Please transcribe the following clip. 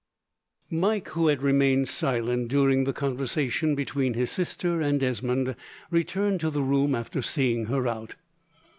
Mike, who had remained silent during the conversation between his sister and Desmond, returned to the room after seeing her out.